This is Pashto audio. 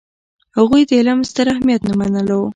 هغوی د علم ستر اهمیت نه منلو.